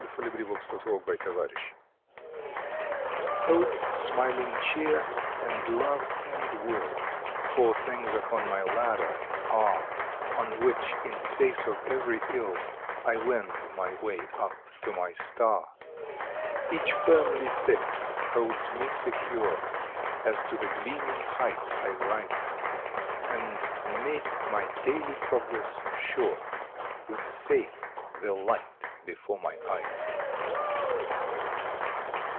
February Nineteenth THE LADDER AND THE LIGHT TTOPE, Smiling Cheer, and Love, and Will Four rungs upon my ladder are On which in face of every ill I wend my way up to my star. Each firmly fixed holds me secure As to the gleaming heights I rise, And makes my daily progress sure With Faith the light before my eyes.